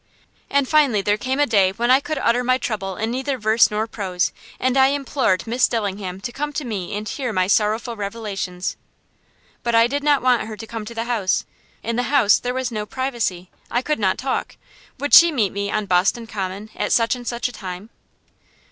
And finally there came a day when I could utter my trouble in neither verse nor prose, and I implored Miss Dillingham to come to me and hear my sorrowful revelations. But I did not want her to come to the house. In the house there was no privacy; I could not talk. Would she meet me on Boston Common at such and such a time?